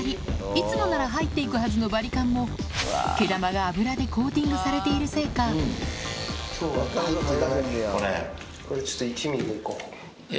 いつもなら入っていくはずのバリカンも毛玉が脂でコーティングされているせいかよし。